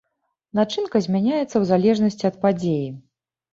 Начынка змяняецца ў залежнасці ад падзеі.